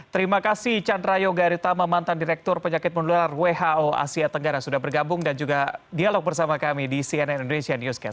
terima kasih chandra yoga aritama mantan direktur penyakit menular who asia tenggara sudah bergabung dan juga dialog bersama kami di cnn indonesia newscast